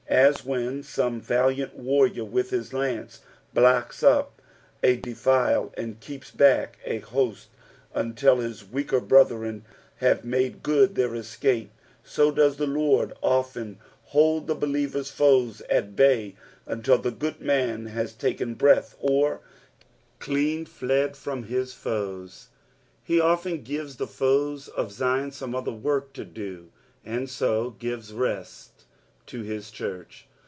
As when some valiant warrior with his lance bloctis up a defile, and keeps back a host until his weaker brethren have made good Ihcir escape, so does the Lord often hold the believer's foes at bay until toe good man has taken breath, or clean fled from his foes. He often gives the foes of Zion fome other work to do, and so gives rest to his church.